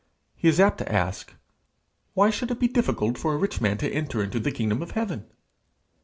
He is apt to ask, "Why should it be difficult for a rich man to enter into the kingdom of heaven?"